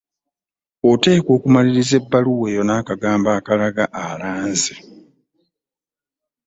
Oteekwa okumaliriza ebbaluwa eyo n’akagambo akalaga alanze